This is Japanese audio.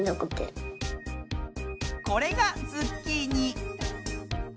これがズッキーニ。